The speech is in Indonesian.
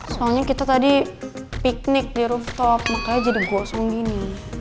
soalnya kita tadi piknik di rooftop makanya jadi gosong gini